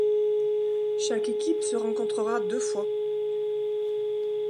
Chaque équipe se rencontrera deux fois.